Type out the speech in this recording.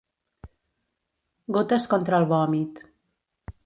Gotes contra el vòmit.